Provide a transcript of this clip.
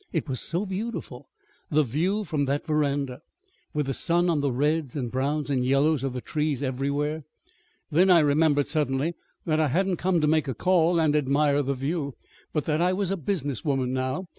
It was so beautiful the view from that veranda, with the sun on the reds and browns and yellows of the trees everywhere! Then I remembered suddenly that I hadn't come to make a call and admire the view, but that I was a business woman now.